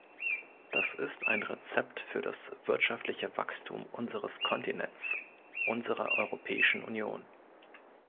Das ist ein Rezept für das wirtschaftliche Wachstum unseres Kontinents, unserer Europäischen Union.